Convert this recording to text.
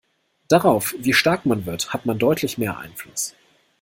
Darauf, wie stark man wird, hat man deutlich mehr Einfluss.